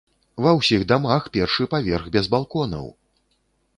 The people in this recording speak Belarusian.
Ва ўсіх дамах першы паверх без балконаў!